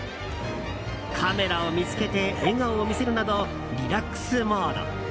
カメラを見つけて笑顔を見せるなどリラックスモード。